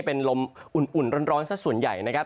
เป็นลมอุ่นร้อนสักส่วนใหญ่นะครับ